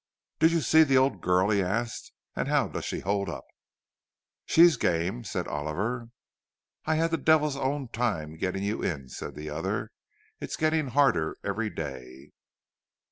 "Did you see the old girl?" he asked. "And how does she hold up?" "She's game," said Oliver. "I had the devil's own time getting you in," said the other. "It's getting harder every day."